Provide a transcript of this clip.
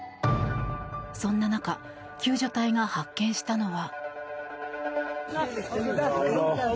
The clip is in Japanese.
そんな中救助隊が発見したのは。